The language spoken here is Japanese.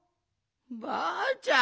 ばあちゃん。